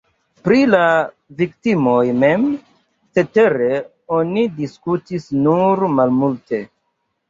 Pri la viktimoj mem, cetere, oni diskutis nur malmulte.